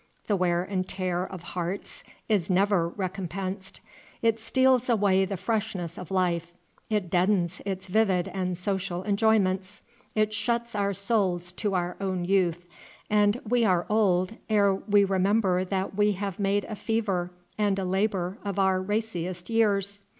The wear and tear of hearts is never recompensed. It steals away the freshness of life; it deadens its vivid and social enjoyments; it shuts our souls to our own youth, and we are old ere we remember that we have made a fever and a labor of our raciest years.